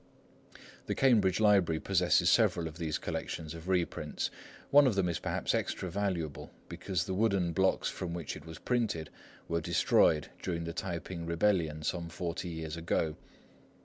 The Cambridge Library possesses several of these collections of reprints. One of them is perhaps extra valuable because the wooden blocks from which it was printed were destroyed during the T'ai p'ing Rebellion, some forty years ago.